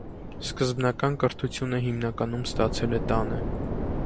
Սկզբնական կրթությունը հիմնականում ստացել է տանը։